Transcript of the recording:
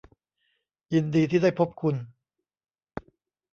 ยินดีที่ได้พบคุณ